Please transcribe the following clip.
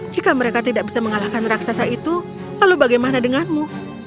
jika mereka tidak bisa mengalahkan raksasa itu lalu bagaimana denganmu